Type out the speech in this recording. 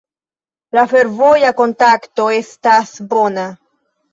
La fervoja kontakto estas bona.